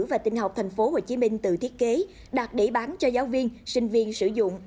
và tinh học thành phố hồ chí minh tự thiết kế đặt để bán cho giáo viên sinh viên sử dụng